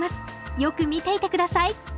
よく見ていて下さい。